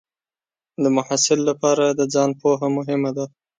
د محصل لپاره د ځان پوهه مهمه ده.